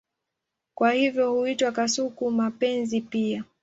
Kwa hivyo huitwa kasuku-mapenzi pia.